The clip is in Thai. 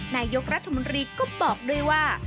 นายกรัฐมนตรีก็บอกด้วยว่า